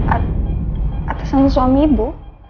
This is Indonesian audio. a atasan suami ibu